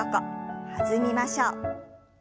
弾みましょう。